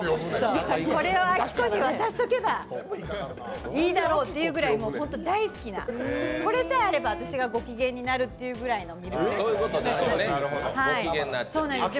これを亜希子に渡しておけばいいだろうというくらい本当大好きな、これさえあれば私がご機嫌になるっていうミルクレープなんです。